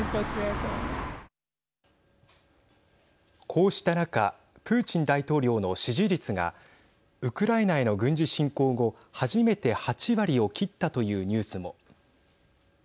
こうした中プーチン大統領の支持率がウクライナへの軍事侵攻後初めて８割を切ったというニュースも。